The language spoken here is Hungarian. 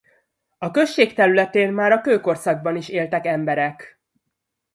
A község területén már a kőkorszakban is éltek emberek.